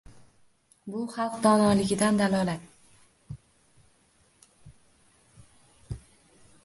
Buxalq donoligidan dalolat